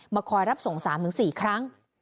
คอยรับส่ง๓๔ครั้ง